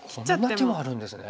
こんな手もあるんですね。